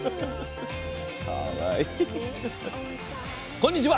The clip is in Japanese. こんにちは。